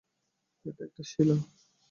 এটা একটা শিলা।